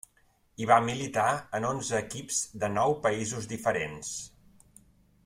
Hi va militar en onze equips de nou països diferents.